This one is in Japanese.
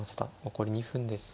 残り２分です。